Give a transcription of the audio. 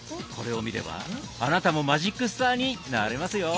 これを見ればあなたもマジックスターになれますよ。